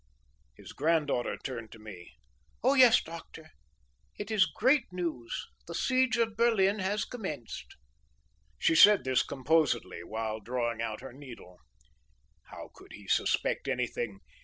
'"His granddaughter turned to me, 'Oh, yes, Doctor, it is great news. The siege of Berlin has commenced.'"She said this composedly, while drawing out her needle. How could he suspect anything?